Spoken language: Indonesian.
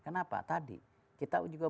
kenapa tadi kita juga